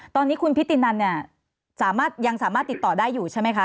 ตอนนี้คุณพิธีนันยังสามารถติดต่อได้อยู่ใช่ไหมคะ